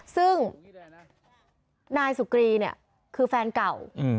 ซึ่งนายสุกรีเนี่ยคือแฟนเก่า